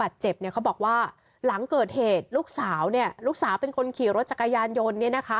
เจ็บเนี่ยเขาบอกว่าหลังเกิดเหตุลูกสาวเนี่ยลูกสาวเป็นคนขี่รถจักรยานยนต์เนี่ยนะคะ